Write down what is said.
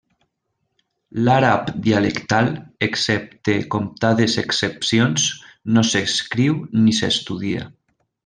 L'àrab dialectal, excepte comptades excepcions, no s'escriu ni s'estudia.